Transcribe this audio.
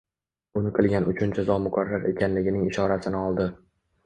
buni qilgan uchun jazo muqarrar ekanligining ishorasini oldi.